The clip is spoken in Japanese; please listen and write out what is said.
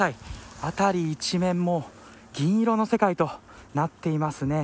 辺り一面も銀色の世界となっていますね。